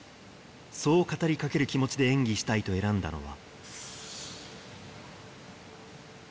そう語りかける気持ちで演技したいと選んだのは。